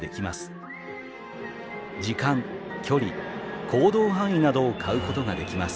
時間、距離、行動範囲などを買うことができます。